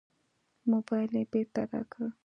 موبایل یې بېرته راکړ.